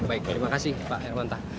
baik terima kasih pak hermanta